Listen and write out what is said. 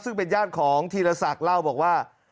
ซึ่งเป็นญาติของธีรศักดิ์เล่าบอกว่า